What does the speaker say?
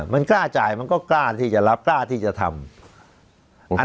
มันกล้าจ่ายมันก็กล้าที่จะรับกล้าที่จะทำ